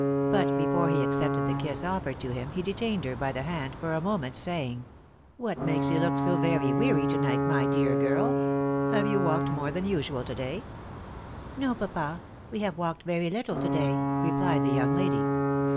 But before he accepted the kiss offered to him, he detained her by the hand for a moment, saying, " What makes you look so very weary to night, my dear girl ? Have you walked more than usual to day ?"" No, papa. We have walked very little to day," replied the young lady.